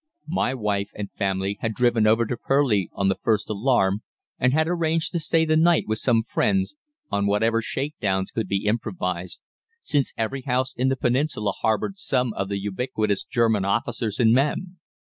"My wife and family had driven over to Purleigh on the first alarm, and had arranged to stay the night with some friends, on whatever shake downs could be improvised, since every house in the peninsula harboured some of the ubiquitous German officers and men.